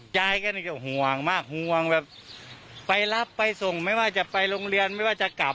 ยายก็นี่จะห่วงมากห่วงแบบไปรับไปส่งไม่ว่าจะไปโรงเรียนไม่ว่าจะกลับ